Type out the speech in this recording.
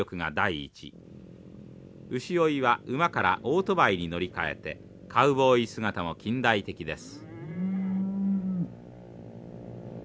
牛追いは馬からオートバイに乗り換えてカウボーイ姿も近代的です。